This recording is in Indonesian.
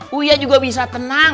huya juga bisa tenang